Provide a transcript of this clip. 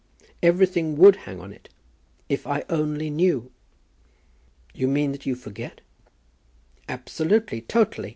"Every thing would hang on it, if I only knew." "You mean that you forget?" "Absolutely; totally.